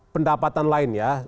pendapatan lain ya